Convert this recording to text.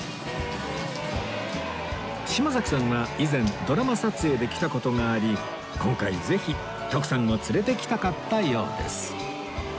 島崎さんは以前ドラマ撮影で来た事があり今回ぜひ徳さんを連れてきたかったようです